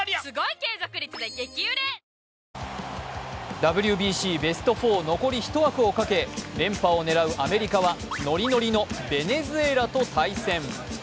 ＷＢＣベスト４、残り１枠をかけ連覇を狙うアメリカはノリノリのベネズエラと対戦。